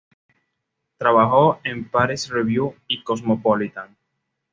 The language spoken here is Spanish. Trabajó en "Paris Review" y en "Cosmopolitan".